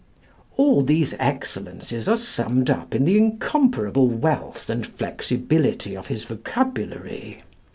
All these excellences are summed up in the incomparable wealth and flexibility of his vocabulary.